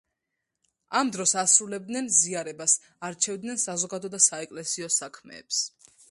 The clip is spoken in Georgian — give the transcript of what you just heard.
ამ დროს ასრულებდნენ ზიარებას, არჩევდნენ საზოგადო და საეკლესიო საქმეებს.